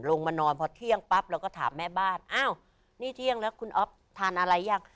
ลงมานอนพอเที่ยงปั๊บเราก็ถามแม่บ้านอ้าวนี่เที่ยงแล้วคุณอ๊อฟทานอะไรยัง